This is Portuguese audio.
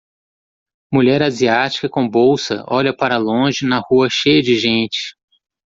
Mulher asiática com bolsa olha para longe na rua cheia de gente